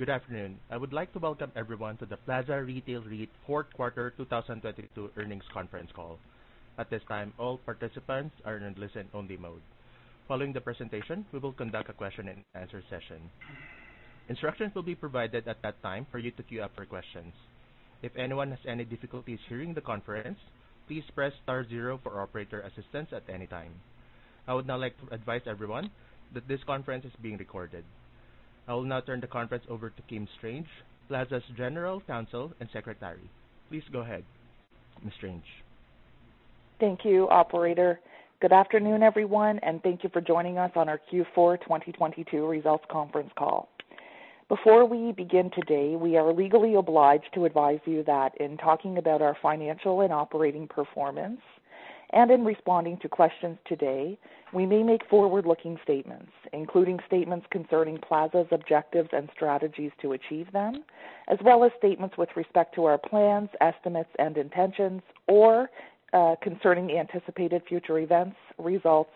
Good afternoon. I would like to welcome everyone to the Plaza Retail REIT fourth quarter 2022 earnings conference call. At this time, all participants are in listen only mode. Following the presentation, we will conduct a question and answer session. Instructions will be provided at that time for you to queue up for questions. If anyone has any difficulties hearing the conference, please press star zero for operator assistance at any time. I would now like to advise everyone that this conference is being recorded. I will now turn the conference over to Kimberly Strange, Plaza's General Counsel and Secretary. Please go ahead, Miss Strange. Thank you, operator. Good afternoon, everyone, and thank you for joining us on our Q4 2022 results conference call. Before we begin today, we are legally obliged to advise you that in talking about our financial and operating performance and in responding to questions today, we may make forward-looking statements, including statements concerning Plaza's objectives and strategies to achieve them, as well as statements with respect to our plans, estimates, and intentions, or concerning anticipated future events, results,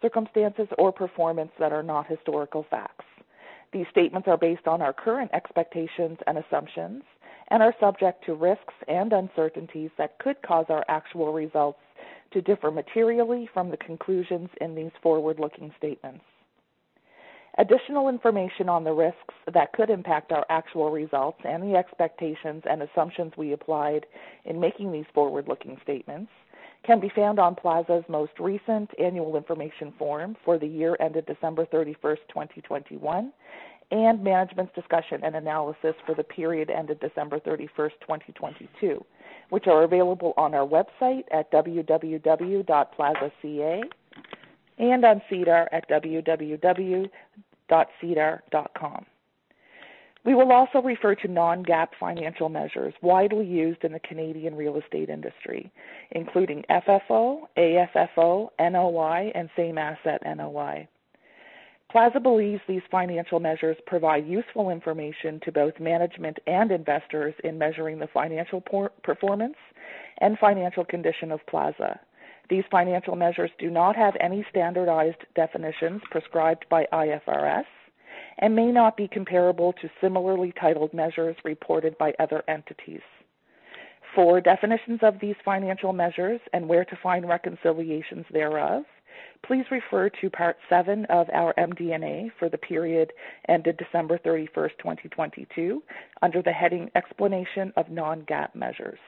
circumstances, or performance that are not historical facts. These statements are based on our current expectations and assumptions and are subject to risks and uncertainties that could cause our actual results to differ materially from the conclusions in these forward-looking statements. Additional information on the risks that could impact our actual results and the expectations and assumptions we applied in making these forward-looking statements can be found on Plaza's most recent annual information form for the year ended December 31, 2021, and Management's Discussion and Analysis for the period ended December 31, 2022, which are available on our website at www.plaza.ca and on SEDAR at www.sedar.com. We will also refer to non-GAAP financial measures widely used in the Canadian real estate industry, including FFO, AFFO, NOI, and same-asset NOI. Plaza believes these financial measures provide useful information to both management and investors in measuring the financial performance and financial condition of Plaza. These financial measures do not have any standardized definitions prescribed by IFRS and may not be comparable to similarly titled measures reported by other entities. For definitions of these financial measures and where to find reconciliations thereof, please refer to part seven of our MD&A for the period ended December 31, 2022, under the heading Explanation of Non-GAAP Measures.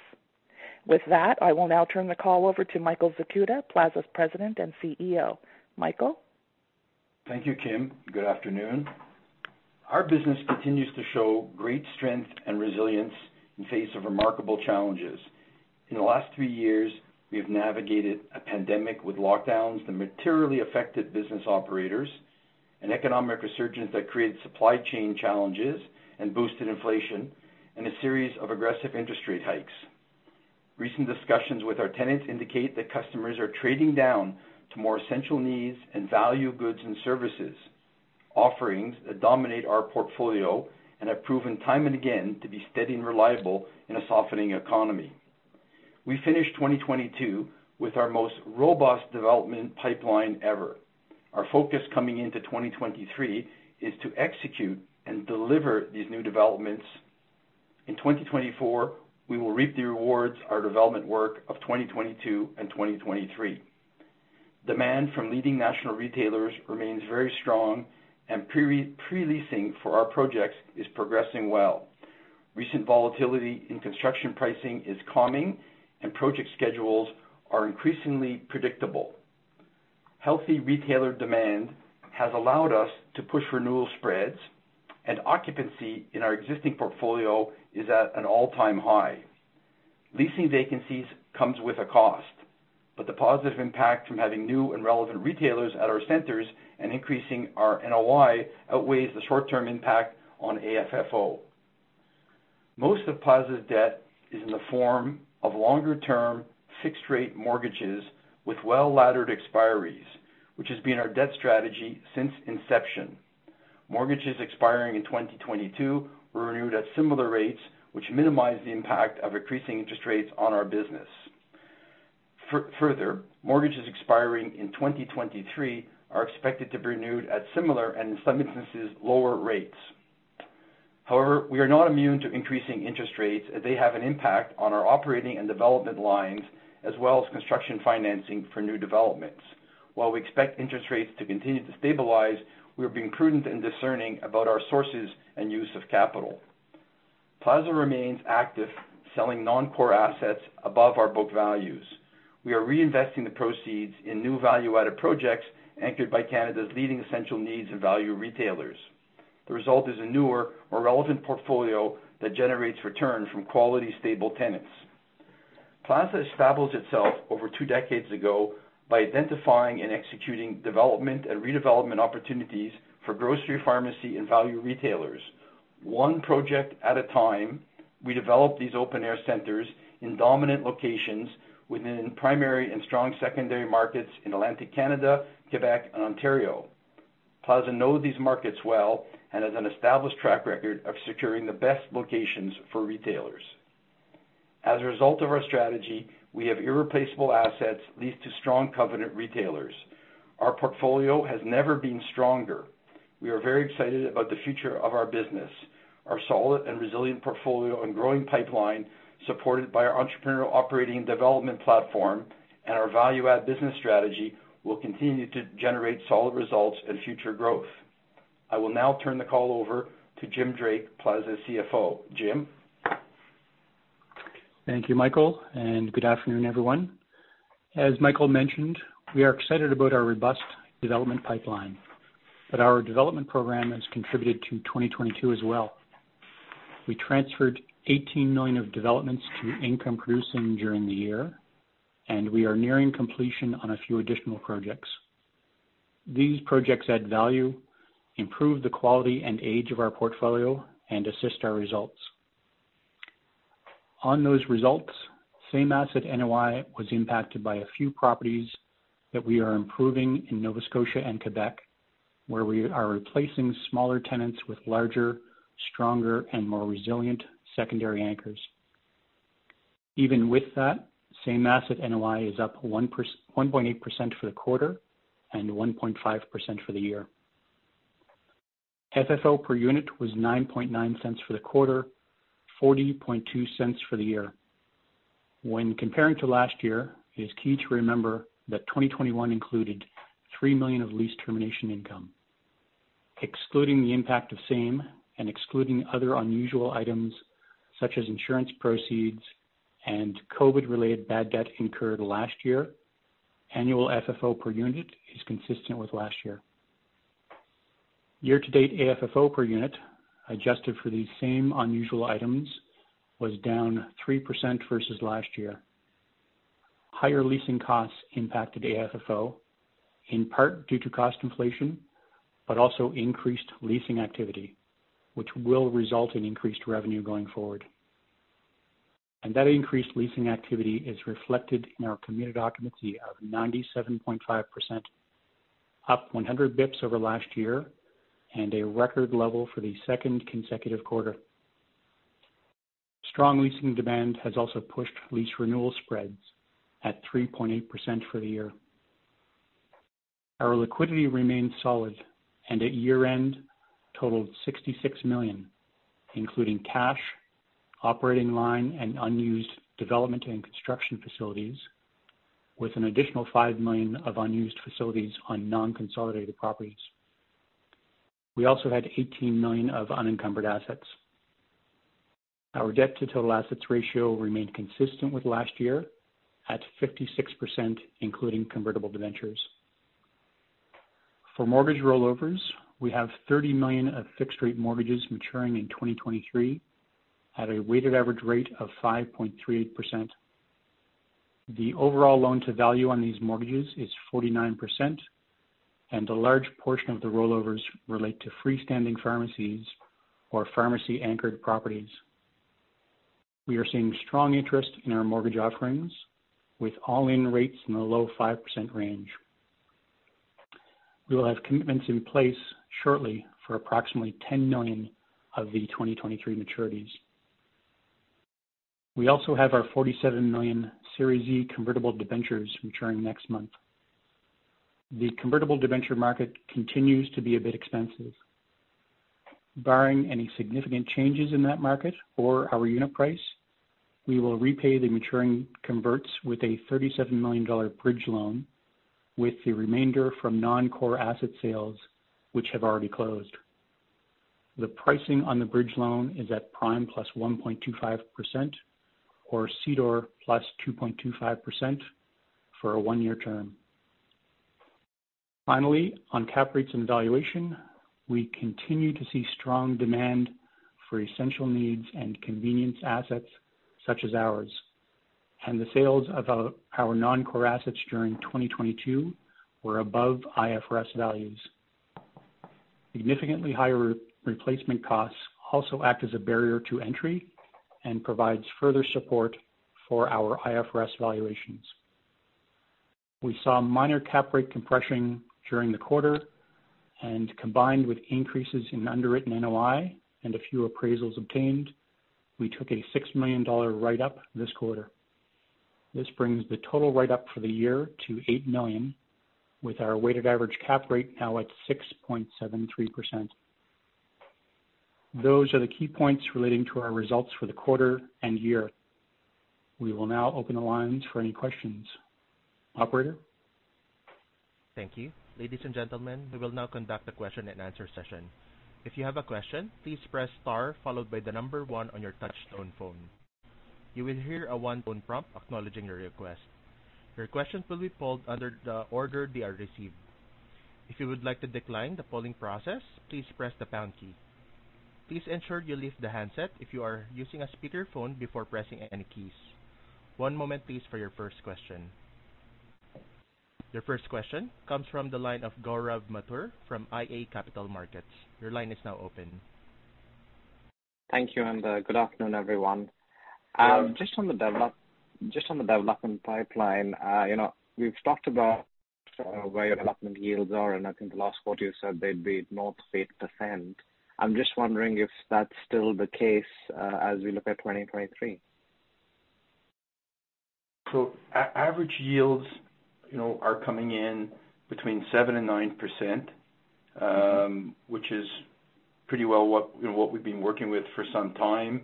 With that, I will now turn the call over to Michael Zakuta, Plaza's President and CEO. Michael. Thank you, Kim. Good afternoon. Our business continues to show great strength and resilience in face of remarkable challenges. In the last three years, we have navigated a pandemic with lockdowns that materially affected business operators, an economic resurgence that created supply chain challenges and boosted inflation, and a series of aggressive interest rate hikes. Recent discussions with our tenants indicate that customers are trading down to more essential needs and value goods and services, offerings that dominate our portfolio and have proven time and again to be steady and reliable in a softening economy. We finished 2022 with our most robust development pipeline ever. Our focus coming into 2023 is to execute and deliver these new developments. In 2024, we will reap the rewards our development work of 2022 and 2023. Demand from leading national retailers remains very strong. Pre-leasing for our projects is progressing well. Recent volatility in construction pricing is calming. Project schedules are increasingly predictable. Healthy retailer demand has allowed us to push renewal spreads. Occupancy in our existing portfolio is at an all-time high. Leasing vacancies comes with a cost, but the positive impact from having new and relevant retailers at our centers and increasing our NOI outweighs the short-term impact on AFFO. Most of Plaza's debt is in the form of longer-term fixed-rate mortgages with well-laddered expiries, which has been our debt strategy since inception. Mortgages expiring in 2022 were renewed at similar rates, which minimized the impact of increasing interest rates on our business. Further, mortgages expiring in 2023 are expected to be renewed at similar, and in some instances, lower rates. However, we are not immune to increasing interest rates. They have an impact on our operating and development lines as well as construction financing for new developments. While we expect interest rates to continue to stabilize, we are being prudent and discerning about our sources and use of capital. Plaza remains active selling non-core assets above our book values. We are reinvesting the proceeds in new value-added projects anchored by Canada's leading essential needs and value retailers. The result is a newer, more relevant portfolio that generates returns from quality, stable tenants. Plaza established itself over two decades ago by identifying and executing development and redevelopment opportunities for grocery, pharmacy, and value retailers. One project at a time, we developed these open air centers in dominant locations within primary and strong secondary markets in Atlantic Canada, Quebec, and Ontario. Plaza know these markets well and has an established track record of securing the best locations for retailers. As a result of our strategy, we have irreplaceable assets leased to strong covenant retailers. Our portfolio has never been stronger. We are very excited about the future of our business. Our solid and resilient portfolio and growing pipeline, supported by our entrepreneurial operating development platform and our value-add business strategy, will continue to generate solid results and future growth. I will now turn the call over to Jim Drake, Plaza CFO. Jim. Thank you, Michael. Good afternoon, everyone. As Michael mentioned, we are excited about our robust development pipeline, but our development program has contributed to 2022 as well. We transferred 18 million of developments to income producing during the year, and we are nearing completion on a few additional projects. These projects add value, improve the quality and age of our portfolio, and assist our results. On those results, same-asset NOI was impacted by a few properties that we are improving in Nova Scotia and Quebec, where we are replacing smaller tenants with larger, stronger, and more resilient secondary anchors. Even with that, same-asset NOI is up 1.8% for the quarter and 1.5% for the year. FFO per unit was 0.099 for the quarter, 0.402 for the year. When comparing to last year, it is key to remember that 2021 included 3 million of lease termination income. Excluding the impact of same and excluding other unusual items such as insurance proceeds and COVID-related bad debt incurred last year, annual FFO per unit is consistent with last year. Year-to-date, AFFO per unit, adjusted for these same unusual items, was down 3% versus last year. Higher leasing costs impacted AFFO, in part due to cost inflation but also increased leasing activity, which will result in increased revenue going forward. That increased leasing activity is reflected in our committed occupancy of 97.5%, up 100 BPS over last year and a record level for the second consecutive quarter. Strong leasing demand has also pushed lease renewal spreads at 3.8% for the year. Our liquidity remains solid and at year-end totaled 66 million, including cash, operating line, and unused development and construction facilities, with an additional 5 million of unused facilities on non-consolidated properties. We also had 18 million of unencumbered assets. Our debt to total assets ratio remained consistent with last year at 56%, including convertible debentures. For mortgage rollovers, we have 30 million of fixed-rate mortgages maturing in 2023 at a weighted average rate of 5.3%. The overall loan to value on these mortgages is 49%. A large portion of the rollovers relate to freestanding pharmacies or pharmacy-anchored properties. We are seeing strong interest in our mortgage offerings with all-in rates in the low 5% range. We will have commitments in place shortly for approximately 10 million of the 2023 maturities. We also have our 47 million Series E convertible debentures maturing next month. The convertible debenture market continues to be a bit expensive. Barring any significant changes in that market or our unit price, we will repay the maturing converts with a 37 million dollar bridge loan with the remainder from non-core asset sales which have already closed. The pricing on the bridge loan is at prime plus 1.25% or CDOR plus 2.25% for a one-year term. On cap rates and valuation, we continue to see strong demand for essential needs and convenience assets such as ours, and the sales of our non-core assets during 2022 were above IFRS values. Significantly higher replacement costs also act as a barrier to entry and provides further support for our IFRS valuations. We saw minor cap rate compression during the quarter and combined with increases in underwritten NOI and a few appraisals obtained, we took a 6 million dollar write-up this quarter. This brings the total write-up for the year to 8 million with our weighted average cap rate now at 6.73%. Those are the key points relating to our results for the quarter and year. We will now open the lines for any questions. Operator? Thank you. Ladies and gentlemen, we will now conduct a question and answer session. If you have a question, please press star followed by one on your touchtone phone. You will hear a one-tone prompt acknowledging your request. Your questions will be pulled under the order they are received. If you would like to decline the polling process, please press the pound key. Please ensure you lift the handset if you are using a speaker phone before pressing any keys. One moment please for your first question. Your first question comes from the line of Gaurav Mathur from iA Capital Markets. Your line is now open. Thank you, good afternoon, everyone. Just on the development pipeline, you know, we've talked about where your development yields are, and I think the last quarter you said they'd be north of 8%. I'm just wondering if that's still the case as we look at 2023. Average yields, you know, are coming in between 7% and 9%, which is pretty well what, you know, what we've been working with for some time.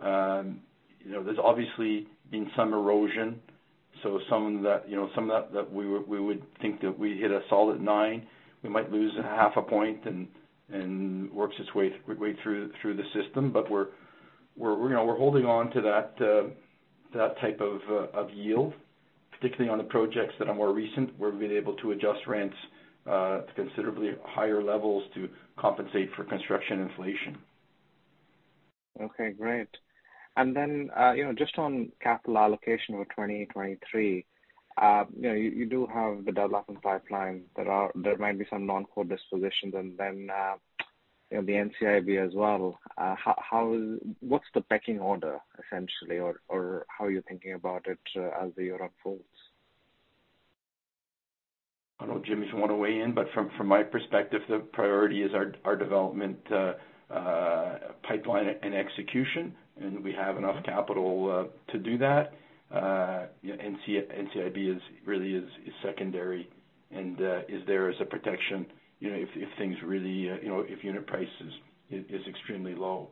There's obviously been some erosion, so some that, you know, some of that we would think that we hit a solid nine, we might lose a half a point and works its way through the system. We're holding on to that type of yield, particularly on the projects that are more recent, where we've been able to adjust rents to considerably higher levels to compensate for construction inflation. Okay, great. Then, you know, just on capital allocation for 2023, you know, you do have the development pipeline. There might be some non-core dispositions then, you know, the NCIB as well. How... What's the pecking order essentially or how are you thinking about it as the year unfolds? I don't know if Jim would wanna weigh in. From, from my perspective, the priority is our development pipeline and execution. We have enough capital to do that. You know, NCIB is really secondary and is there as a protection, you know, if things really, you know, if unit price is extremely low.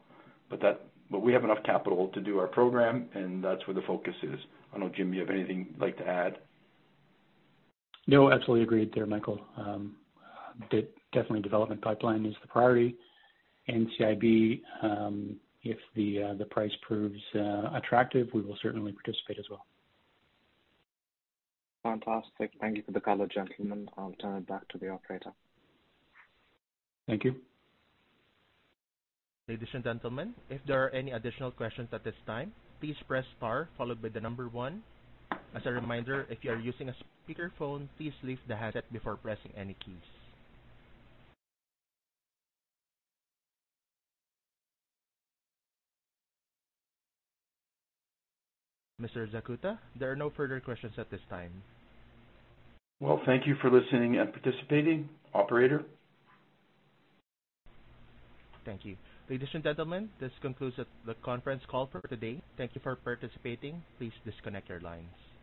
We have enough capital to do our program, and that's where the focus is. I don't know, Jim, you have anything you'd like to add? No, absolutely agreed there, Michael. Definitely development pipeline is the priority. NCIB, if the price proves attractive, we will certainly participate as well. Fantastic. Thank you for the color, gentlemen. I'll turn it back to the operator. Thank you. Ladies and gentlemen, if there are any additional questions at this time, please press star followed by the number one. As a reminder, if you are using a speakerphone, please lift the handset before pressing any keys. Mr. Zakuta, there are no further questions at this time. Well, thank you for listening and participating. Operator? Thank you. Ladies and gentlemen, this concludes the conference call for today. Thank you for participating. Please disconnect your lines.